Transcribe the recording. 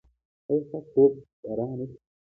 ایا ستاسو خوب به را نه شي؟